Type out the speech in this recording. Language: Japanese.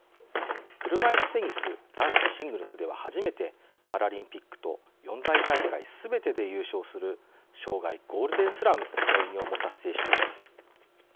車いすテニス男子シングルスでは初めてパラリンピックと四大大会すべてで優勝する生涯ゴールデンスラムの偉業も達成しています。